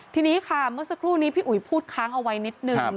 ทีนี้ค่ะเมื่อสักครู่นี้พี่อุ๋ยพูดค้างเอาไว้นิดนึง